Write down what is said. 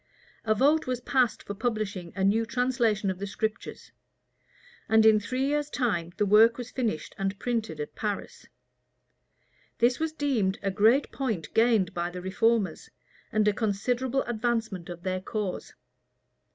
A vote was passed for publishing a new translation of the Scriptures; and in three years' time the work was finished, and printed at Paris. This was deemed a great point gained by the reformers, and a considerable advancement of their cause.